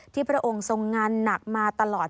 พระองค์ทรงงานหนักมาตลอด